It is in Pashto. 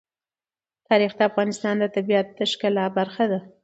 تاریخ د افغانستان د طبیعت د ښکلا برخه ده.